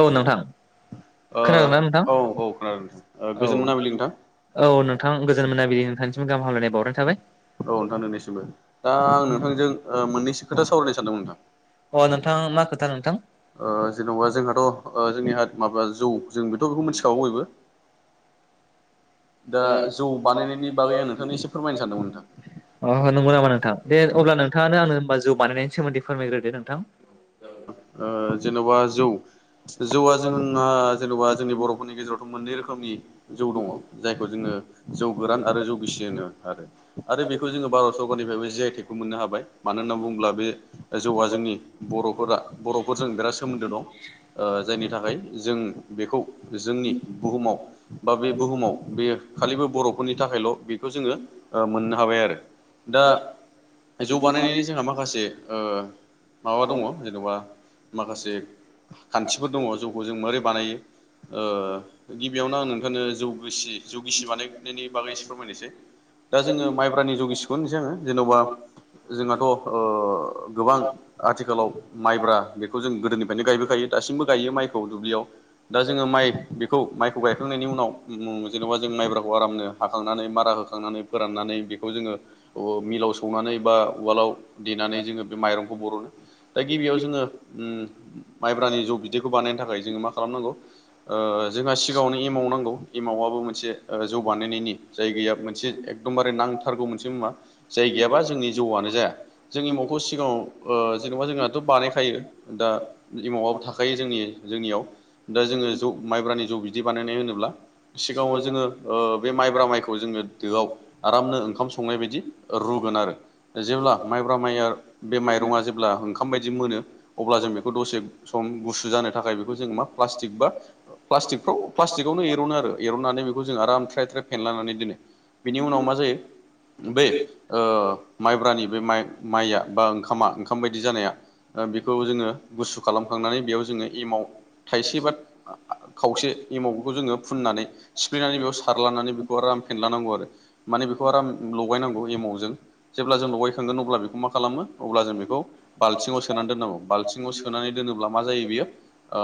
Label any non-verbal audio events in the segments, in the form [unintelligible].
औ नोंथां। ओ खोनादोंना नोंथां औ औ खोनादों नोंथां ओ औ गोजोन मोनाबिलि नोंथां। औ नोंथां गोजोन मोनाबिलि नोंथांसिमबो गाहामलायनाय बावरायनाय थाबाय। औ नोंथां नोंनिसिमबो दा आं नोंथांजों ओ मोननैसो खोथा सावरायनो सानदोंमोन नोंथां। अ नोंथां मा खोथा नो ओ जेनबा जोंहाथ' ओ जोंनि हाद माब्लाद जौ जों बेथ' बेखौ मिथिखागौ बयबो। [unintelligible] दा जौ बानायनायनि बागै आं नोंथांनो एसे फोरमायनो सानदोंमोन नोंथां अह नंगौ नामा नोंथां दे अब्ला नोंथाङानो आंनो होमबा जौ बानायनायनि सोमोन्दै फोरमायग्रोदो नोंथां। ओ जेन'बा जौ जौआ जों आ जेन'बा जोंनि बर'फोरनि गेजेरावथ' मोननै रोखोमनि। जौ दङ जायखौ जोङो जौ गोरान आरो जौ गिसि होनो आरो‌। आरो बेखौ जोङो भारत सरकारनिफ्रायबो जिआइटेकखौ मोननो हाबाय मानो होनना बुङोब्ला बे जौआ जोंनि बु बर'फोरा बर'फोरजों बिराद सोमोन्दो दं ओ जायनि थाखाय जों बेखौ जोंनि बुहुमाव बा बे बुहुमाव बेयो खालिबो बर'फोरनि थाखायल' बेखौ जोङो ओ मोननो हाबाय आरो दा जौ बानायनायनि जोंहा माखासे ओ माबा दङ जेन'बा माखासे खान्थिफोर दङ जौखौ जों मोबोरै बानायो। ओ गिबियावनो आं नोंथांनो जौगसि जौगिसि बानायनायनि बागै एसे फोरमायनोसै। दा जोङो माइब्रानि जौ गिसिखौन होनसै आङो जेन'बा जोंहाथ' ओ गोबां आथिखालाव माइब्रा बेखौ जों गोदोनिफायनो गायबोखायो दासिमबो गायो माइखौ दुब्लियाव दा जोङो माइ बेखौ माइखौ गायखां नायनि उनाव उम उम जेनबा जों माइब्राखौ आरामनो हाखांनानै मारा होखांनानै फोराननानै बेखौ जोङो मिलाव सौनानै बा उवालाव देनानै जोङो बे माइरंखौ बर'नो दा गिबियाव जोङो उम माइब्रानि जौ बिदैखौ बानायनो थाखाय जोङो मा खालामनांगौ ओ जोंहा सिगाङावनो एमाव नांगौ एमावाबाबो मोनसे ओ जौ बानायनायनि जायगाया मोनसे एक दमबारे नांथारगौ मोनसे मुवा। जाय गैयाबा जोंनि जौआनो जाया जों एमावखौ सिगाङाव ओ जेनबा जोंनाथ' बानायखायो। दा एमावाबो थाखायो जोंनि जोंनियाव दा जोङो जौ माइब्रानि जौ बिदि बानायनाय होनो ब्ला सिगाङाव जोङो ओ बे माइब्रा माइखौ जोङो दोआव आरामनो ओंखाम संनाय बायदि रुगोन आरो जेब्ला माइब्रा माइया बे माइरङा जेब्ला ओंखाम बायदि मोनो। अब्ला जों बेखौ दसे सम गुसु जानो थाखाय बेखौ जों मा प्लास्टिकबा फ्लास्टिकफ्राव प्लाटिकआव नो एरनो आरो एरननानै बेखौ जों आराम थ्राय थ्राय फेनलानानै दोनो बेनि उनाव मा जायो। बे ओ माइब्रानि बे माइ माइआ बा ओंखामा ओंखाम बायदि जानाया ओ बेखौ जोङो गुसु खालामखांनानै बेयाव जोङो एमाव थाइसे बा खावसे एमाव बेखौ जोङो फुननानै सिफ्लेनानै बेयाव सारलानानै बेखौ आराम फेनलानांगौ आरो माने बेखौ आराम लगायनांगौ एमावजों जेब्ला जों लगायखांगोन अब्ला बेखौ मा खालामो अब्ला जों बेखौ बाल्थिङाव सोनानै दोननांगौ बाल्थिङाव सोनानै दोनोब्ला मा जायो बियो ओ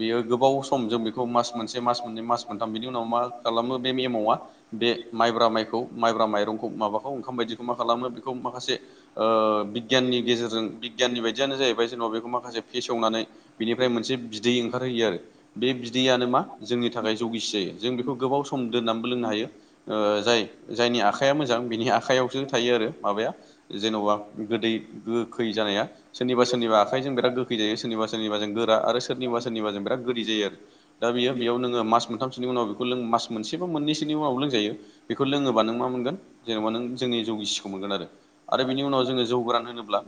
बेयो गोबाव सम जों बेखौ मास मोनसे, मास मोननै, मास मोनथाम बिनि उनाव मा खालामो बे एमावा बे माइब्रा माइखौ माइब्रा माइरंखौ माबाखौ ओंखाम बायदिखौ मा खालामो बेखौ माखासे ओ बिगियाननि गेजेरजों बिगियाननि बाय दियानो जाहैबाय जेनबा बेखौ माखासे फेसवनानै बिनिफ्राय मोनसे बिदै ओंखारहोयो आरो बे बिदैयनो मा आ जोंनि थाखाय जौ गिसि जायो जों बेखौ गोबाव सम दोननामबो लोंनो हायो ओ जाय जायनि आखायाव मोजां बिनि आखायावसो थायो आरो माबाया जेन'बा गोदै गोखै जानाया। सोरनिबा सोरनिबा आखाइजोंराद गोखै जायो सोरबा सोरनिबा जों गो खा आरो सोरनिबा सोरनिबाजों बिराद गोदै जायो आरो दा बेयो बेयावनोङो मास मोनथामसोनि उनाव मास मोनसे बाबो मोननैसोनि उनाव बेखौ लङोबा नों मा मोनगोन जेनेबा नों जोंनि जौ गिसिखौ मोनगोन आरो। बिनि उनाव जोङो जौगोरान होनोब्ला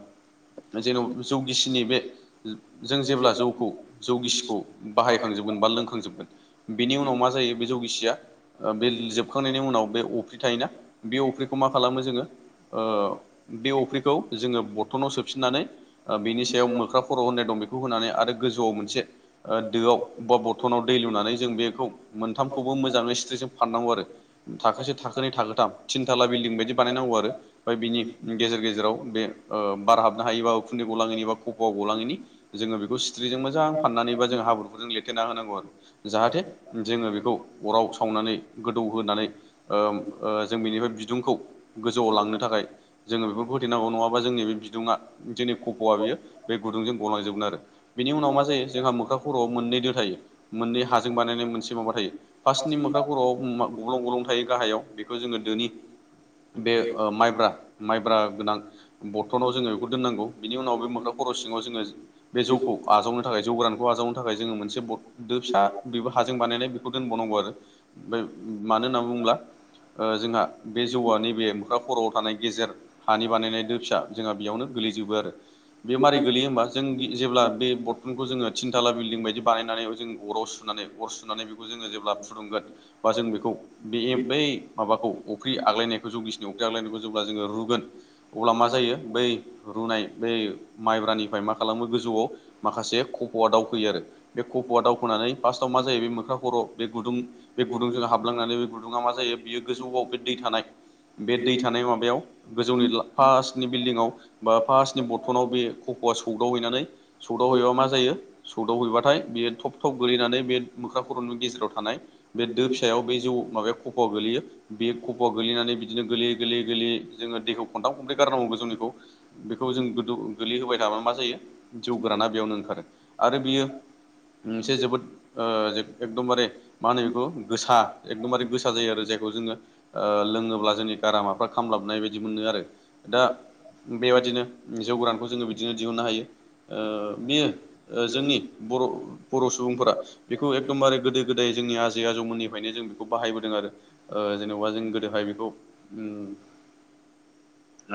जेन जौ गिसिनि बे जों जेब्ला जौखौ जौ गिसिखौ बाहायखांजोब बा लोंखांजोबगोन बेनि उनाव मा जायो बे जौ गिसिया बे जोबखांनायनि उनाव बे अफ्रि थायोना बे अफ्रिखौ मा खालामो जोङो बे अफ्रिखौ जोङो बर्थनाव सो फिननानै बिनि सायाव मोख्रा खर होननाय दं बे खौ होनानै आरो गोजौआव मोनसे दोआव बर्थनाव दै लुनानै जों बेखौ मोनथाम खौबो मोजाङै सिथ्रिजों फाननांगौ आरो थाखोसे थाखोनै थाखोथाम थिनथाला बिल्डिं बायदि बानायनांगौ आरो बिनि गेजेर गेजेराव बे बार हाब हायो उखुनदै गलांयिनि खफ गलांयिनि जोंङो बेखौ सिथ्रिजों मोजां फाननानै हब्रुफोरजो लिरथेना होनांगौ आरो जाहाथे जोङो बेखौ अराव सावनानै गोदौ होनानै ओ ओ जों बेनिफ्राय बिदुंखौ गोजौआव लांनो थाखाय जोङो बेफोरखौ होथैनांगौ नङाबा जोंनि बे बिदुङा जोंनि खफआ बियो बे गुदुंजों गलांजोबगोन आरो। बेनि उनाव मा जायो जोंहा मोखा खर'आव मोननै दो थायो मोननै हाजों बानायनाय मोनसे माबा थायो फार्स्टनि मोख्रा खर'आव गब्लं गब्लं थायो गाहायाव बेखौ जोङो दोनि बे ओ माइब्रा माइब्रा गोनां बर्थनाव जोङो दोननांगौ बिनि उनाव बे मोख्रा खर सिङाव जोङो बे जौखौ आजावनो थाखाय जौ गोरानखौ आजावनो थाखाय जोंङो मोनसे दो फिसा बेबो हाजों बानायनाय बेखौ दोनबावनांगौ आरो ओफ्राय मानो होनना बुङोब्ला ओ जोंहा बे जौआ नैबे मोख्रा खर'आव थानाय गेजेर हानि बानायनाय दो फिसा जोंहा बेयावनो गोलैजोबो आरो बे मारै गोलैयो होमबा जों जेब्ला बे बर्थनखौ जोङो थिनथाला बिल्डं बायदि बानायनानै जों अराव सुनानै अर सुनानै बेखौ जोङो जेब्ला फुदुंगोन बा जों बेखौ बे बै माबाखौ अफ्रि आग्लायनायखौ जगिसनि अफ्रि आग्लायनायखौ जेब्ला जोङो रुगोन अब्ला मा जायो बै रुनाय बै माइब्रानिफ्राय मा खालामो गोजौआव माखासे खफ'आ दावखोयो आरो बे खफ'आ दावखोननानै फार्स्टआव मा जायो बे मोख्रा खर' बे गुदुं बे गुदुंजों हाबलांनानै बे गुुंदुंआव मा जायो बे गोजौआव बे दै थानाय बे दै थानाय माबायाव गोजौनि फार्स्नि बिल्डिंआव बा फार्स्टनि बथनाव बे खफ'आ सौदाव हैनानै सौदावहैबा मा जायो सौदाव हैबाथाय बे थब थब गोलैनानै बे मोख्रा खर'नि गेजेराव थानाय बे दो फिसायाव बे जौ माबाया खफ'आव गोग्लैयो। बे खफ'आ गोलैनानै बिदिनो गोलैयै गोलैयै गोलैयै जोङो दैखौ खनथाम खनब्रै गारनांगौ गोजौनिखौ बेखौ जों गोदो गोलैहोबाय थाब्ला मा जायो जौ गोराना बेयावनो ओंखारो आरो बियो मोनसे जोबोद ओ एकदमबारे मा होनो बेखौ गोसा एकदमबारे गोसा जायो आरो जायखौ जोङो ओ लोङोब्ला जोंनि गारामाफ्रा खामलाबनाय बायदि मोनो आरो दा बेबादिनो जौ गोरान खौ जोङो बिदिनो दिहुननो हायो ओ बेयो जोंनि बर' बर' सुबुंफोरा बेखौ एकदमबारे गोदो गोदाय जोंनि आजै आजौमोननिफ्रायनो जों बेखौ बाहायबोदों आरो ओ जेनबा जों गोदोहाय बेखौ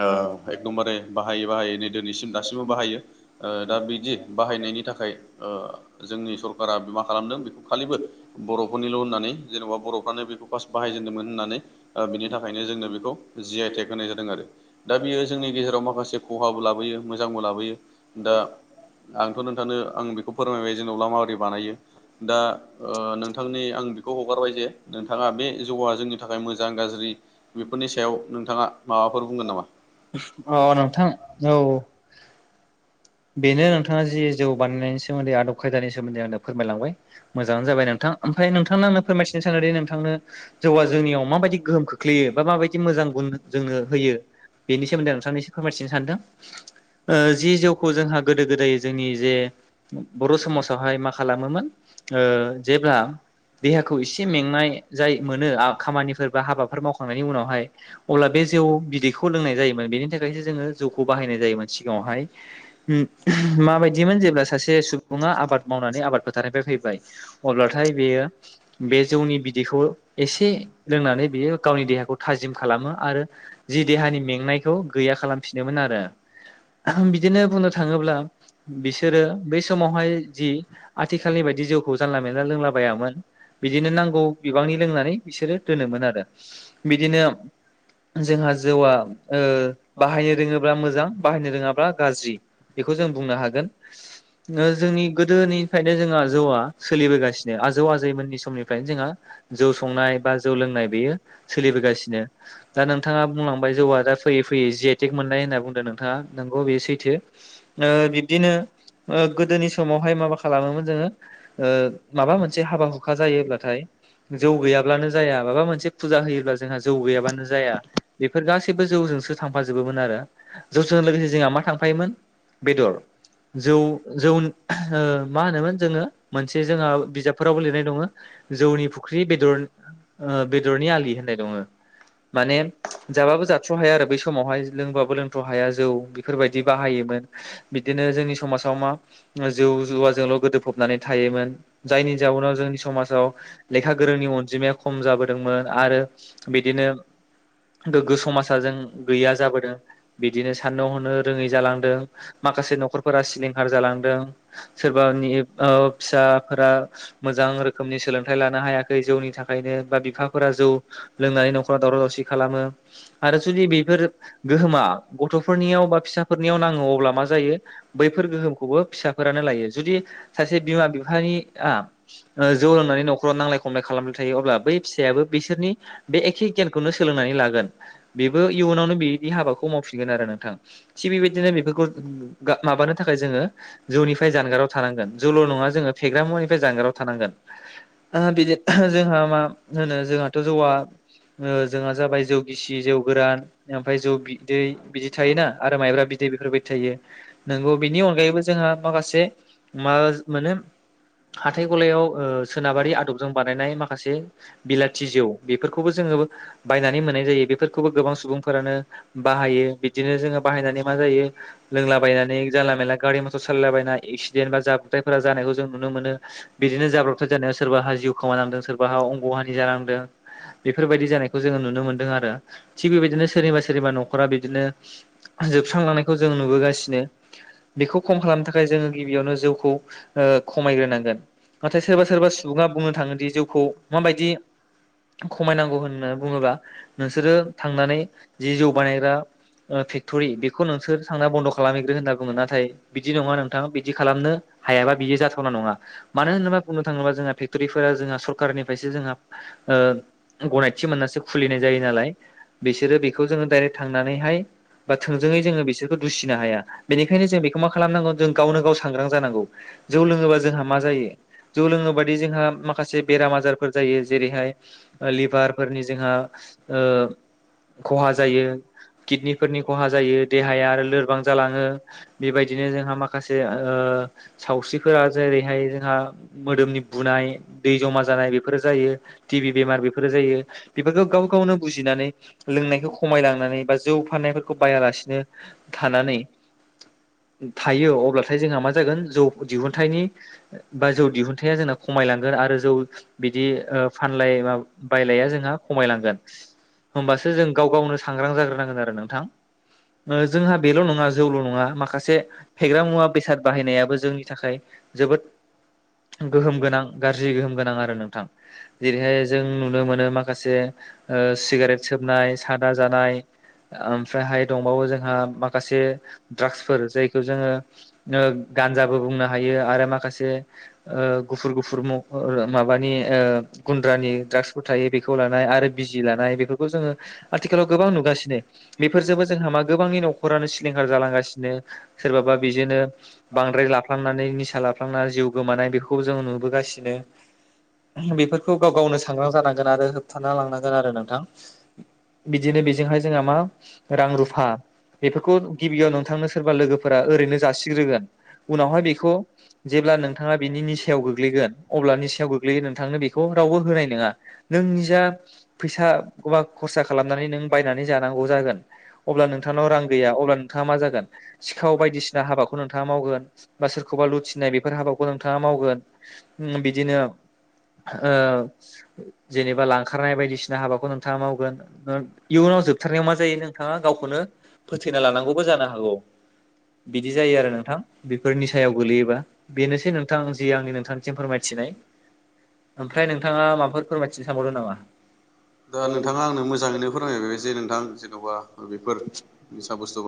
ओ एकदमबारे बाहायै बाहायै नै दोनैसिम दासिमबो बाहायो ओ दा बिदि बाहायनायनि थाखाय ओ जोंनि सरकारा मा खालामदों बेखौ खालिबो बर'फोरनिल' होननानै जेनबा बरफ्रानो बेखौ फार्स्ट बाहायजेनदोंमोन होननानै ओ बिनि थाखायनो जोंनो बेखौ जि आइ टेक होनाय जादों आरो दा बेयो जोंनि गेजेराव माखासे खहाबो लाबोयो मोजांबो लाबोयो दा आंथ नोंथांनो आं बेखौ फोरमायबाय जेनबा माबोरै बानायो दा ओ नोंथांनि आं खौ हगारबाय जे नोंथाङा बे जौआ जोंनि थाखाय मोजां गाज्रि बेफोरनि सायाव नोंथाङा माबा माबाफोर बुंगोन नामा? औ नोंथां औ बेनो नोंथाङा जि जौ बानायनायनि स सोमोन्दै आदब खायदानि सोमोन्दै आंनो फोरमायलांबाय मोजाङानो जाबाय नोंथां। ओमफ्राय नोंथांनो आं फोरमायथिनो सानो दि नोंथांनो जौआ जोंनियाव माबायदि गोहोम खोख्लैयो बा माबायदि मोजां गुन जोंनो होयो बेनि सोमोन्दै आं नोंथांनो इसे फोरमायथिनो सानदों। ओ जि जौखौ जोंहा गोदो गोदाय जोंनि जे बर' समाजावहाय मा खालामोमोन ओ जेब्ला देहाखौ एसे मेंनाय जाय मोनो खामानिफोर बा हाबाफोर मावखांनायनि उनावहाय अब्ला बे जौ बिदैखौ लोंनाय जायोमोन बेनि थाखायसो जोङो जौखौ बाहायनाय जायोमोन सिगाङावहाय उम माबादिमोन जेब्ला सासे सुबुं बुङा आबाद मावनानै आबाद फोथारनिफ्राय फैबाय अब्लाथाय बेयो बे जौनि बिदैखौ एसे लोंनानै बियो गावनि देहा खौ जिम खालामो आरो जि देहानि मेंनायखौ गैया खालामफिनोमोन आरो। बिदिनो बुंनो थाङोब्ला बिसोरो बै समावहाय जि आथिखालनि बायदि जिउखौ जानला मोनला लोंलाबायामोन। बिदिनो नांगौ बिबांनि लोंनानै बिसोरो दोनोमोन आरो। बिदिनो जोंहा जौआ ओ बाहायनो रोङोब्ला मोजां बाहायनो रोङाब्ला गाज्रि। बेखौ जों बुंनो हागोन ओ जोंनि गोदोनिफ्रायनो जोंहा जौआ सोलिबोगासिनो आजौ जौ आजैमोननि समनिफ्रायनो जोंहा जौ संनाय बा जौ लोंनाय बेयो सोलिबोगासिनो। दा नोंथाङा बुंलांबाय जौआ दा फैयै फैयै जि आइ टेक मोननाय होनना बुंदों नोंथाङा नोंगौ बेयो सैथो। ओ बिब्दिनो ओ गोदोनि समावहाय माबा खालामोमोन जोङो ओ माबा मोनसे हाबा हुखा जायोब्ला नाथाय जौ गैयाब्लानो जाया माबा मोनसे फुजा होयोब्ला जोंहा जौ गैयाबानो जाया बेफोर गा गसैबो जौजोंसो थांफाजोबोमोन आरो जौजों लोगोसे जोंहा मा थांफायोमोन बेदर। जौ जौ ओ मा होनोमोन जोङो मोनसे जोंहा बिजाबफोरावबो लिरनाय दङो जौनि फुख्रि बेदर ओ बेदरनि आलि होननाय दङो। माने जाबाबो जाथ्र' हाया आरो बै समावहाय लोंबाबो लोंथ्र' हाया जौ बेफोरबायदि बाहायोमोन। बिदिनो जोंनि समाजाव मा जौ जुवाजोंल' गोदोफबनानै थायोमोन। जायनि जाउनाव जोंनि समाजाव। लेखा गोरोंनि अनजिमाया खम जाबोदोंमोन आरो बिदिनो गोग्गो समाजाजों गैया जाबोदों बिदिनो साननो हनो रोङै जालांदों। माखासे न'खरफोरा सिलिंखार जालांदों सोरबानि ओ फिसाफोरा मोजां रोखोमनि सोलोंथाइ लानो हायाखै जौनि थाखायनो बा बिफाफोरा जौ । लोंनानै न'खराव दावराव दावसि खालामो आरो जुदि बेफोर गोहोमा गथ'फोरनियाव बा फिसाफोरनियाव नाङो अब अब्ला मा जायो बैफोर गोहोमखौबो फिसाफोरानो लायो जुदि सासे बिमा बिफानि आ ओ जौ लोंनानै नख'राव नांलाय खमलाय खालामबाय थायो अब्ला बै फिसायाबो बिसोरनि बे एखे गियानखौनो सो सोलोंनानै लागोन बेबो इयुनावनो बेदि हाबाखौ मावफिनगोन आरो नोंथां थिग बेबायदिनो बेफोरखौ गा माबानो थाखाय जोङो जौनिफ्राय जानगाराव थानांगोन जौल' नङा जोङो फेग्रा मुवानिफ्राय जानगाराव थानांगोन ओ बिदि ओ जोंहा मा होनो जोंहाथ' जौआ ओ जोंहा जाबाय जौ गिसि जौ गोरान ओमफाय जौ बिदै बिदि थायोना आरो माइब्रा बिदै बेफोरबायदि। थायो नोंगौ बेनि अनगायैबो जोंहा माखासे मा मोनो हाथाय गलायाव ओ सोनाबारि आदबजों बानायनाय माखासे बिलाथि जौ बेफोरखौबो जोङो बायनानै मोननाय जायो बेफोरखौबो गोबां सुबुंफोरानो बा बाहायो बिदिनो जोङो बाहायनानै मा जायो लोंलाबायनानै जानला मेला गारि मथर साललाबायना एक्सिडेन्ट बा जाब्रुथायफोरा जानायखौ जों नुनो मोनो। बिदिनो जाब्रबथाय जानायाव सोरबाहा जिउ खोमानांदों सोरबाहा अंगन जालांदों बेफोरबायदि जानायखौ जोङो नुनो मोनदों आरो थिग बेबायदिनो सोरनिबा सोरनिबा न'खरा बिदिनो जोबस्रांलांनायखौ जों नुबोगासिनो। बेखौ खम खालामनो थाखाय जोङो गिबियावनो जौखौ ओ खमायग्रोनांगोन। नाथाय सोरबा सोरबा सुबुङा बुंनो थाङोदि जौखौ माबायदि खमायनांगौ होननानै बुङोब्ला नोंसोरो थांनानै जि जौ बानायग्रा ओ फेक्ट'रि बेखौ नोंसोर थांना बन्द' खालामहैग्रो होनना बुङो नाथाय बिदि नङा नों नोंथाङा बिदि खालामनो हायाबा बियो जाथावना नङा। मानो होनोबा बुंनो थाङोब्ला जोंहा फेक्ट'रिफोरा जोंहा सरखारनिफ्रायसो जोंहा ओ गनायथि मोननास सो खुलिनाय जायो नालाय बेसोरो बेखौ जोंङो डाइरेक्ट थांनानैहाय बा थोंजोङै जोंङो बिसोरखो दुसिनो हाया बेनिखायनो जों बेखौ मा खालामनांगौ जों गावनो गाव सांग्रां जानांगौ जौ लोङोबा जोंहा मा जायो। जौ लोङोबादि जोंहा मा माखासे बेराम आजारफोर जायो जेरैहाय लिभारफोरनि जोंहा ओ खहा जायो, किदनि फोरनि खहा जायो देहाया आरो लोरबां जालाङो बेबायदिनो जोंहा माखासे ओ सावस्रिफोरा जेरैहाय जोंहा आ मोदोमनि बुनाय दै जमा जानाय बेफोरो जायो टिभि बेमार बेफोरो जायो बेफो गाव गावनो बुजिनानै लोंनायखौ खमायलांनानै बा जौ फाननायफोरखौ बायालासिनो थानानै थायो अब्लाथाय जोंहा मा जागोन जौ दिहुनथाइनि बा जौ दिहुनथाया जोंना खमायलांगोन आरो जौ बिदि ओ फानलाय बायलाया जोंहा खमायलांगोन। होमबासो जों गाव गावनो सांग्रां जाग्रोनांगोन आरो नोंथां ओ जोंहा बेल' नङा जौल' नङा माखासे फेग्रा मुवा बेसाद बाहायनायाबो जोंनि थाखाय जोबोद गोहोम गोनां गाज्रि गोहोम गोनां आरो नोंथां जेरैहाय जों नुनो मोनो माखासे ओ सिगारेट सोबनाय सादा जानाय ओमफ्रायहाय दंबावो जों हा माखासे द्राग्सफोर जायखौ जोङो ओ गान्जाबो बुंनो हायो आरो माख खासे ओ गुफुर गुफुर माबानि ओ गुन्द्रानि द्रागसफोर थायो बे खौ लानाय आरो बिजि लानाय बेफोरखौ जोङो आथिखालाव गोबां नुगासिनो बेफोरजोबो जोंहा मा गोबांनि न'खरानो सिलिंखार जालांगासिनो सोरबाबा बिजोंनो बांद्राय लाफ्लांनानै निसाला जाफ्लांना जिउ गोमानाय बेखौ जों नुबोगासिनो। बेफोरखौ गाव गावनो सांग्रां जानांगोन आरो होबथाना लांनांगोन आरो नोंथां । बिदिनो बेजोंहाय जोंहा मा रां रुफा बेफोरखौ गिबियाव नोंथांनो सोरबा लोगोफोरा ओरैनो जासिग्रोगोन । उनावहाय बेखौ जेब्ला नोंथाङा बिनि निसायाव गोग्लैगोन अब्ला निसायाव गोग्लैयो नोंथांनो बेखौ रावबो होनाय नोङा । नों निजा फैसाखौबा खरसा खालामनानै नों बायनानै जानांगौ जागोन अब्ला नों- थांनाव रां गैया अब्ला नोंथाङा मा जागोन? सिखाव बायदिसिना हाबाखौ नोंथाङा मावगोन बा सोरखौबा लुथिनाय बेफोर हाबाखौ नोंथाङा मावगोन । उम बिदिनो ओ जेनेबा लांखारनाय बायदिसिना हाबाखौ नोंथाङा मावगोन । ओ इयुनाव जोबथारनायाव मा जायोनो बिथाङा गावखौनो फोथैना लानांगौबो जानो हागौ! बिदि जायो आरो नोंथां बेफोर निसायाव गोलैयोबा बेनोसै नोंथां जि आंनि नोंथांनिसिम फोरमायथि- नाय । ओमफ्राय नोंथाङा माबाफोर फोरमायथिनो सानबावदो नामा? दा नोंथाङा आंनो मोजाङैनो फोरमायबाय जे नोंथां जेन'बा ओ बेफोर निसा बुस्थु